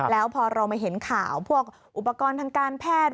แล้วพอเรามาเห็นข่าวพวกอุปกรณ์ทางการแพทย์